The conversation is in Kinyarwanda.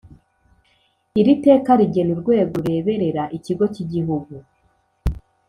Iri teka rigena Urwego rureberera Ikigo cy Igihugu